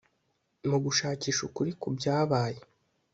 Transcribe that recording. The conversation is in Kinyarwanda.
mu gushakisha ukuri ku byabaye